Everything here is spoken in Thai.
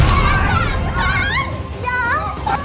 ชื่อฟอยแต่ไม่ใช่แฟง